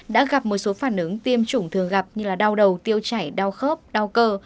đã gặp một số phản ứng tiêm chủng thường gặp như đau đầu tiêu chảy đau khớp đau cơ